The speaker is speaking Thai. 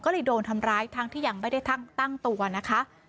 ก็เลยโดนทำร้ายทั้งที่ยังไม่ได้ตั้งตัวนะคะ